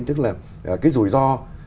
tức là cái rủi ro